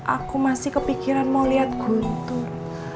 aku masih kepikiran mau lihat guntur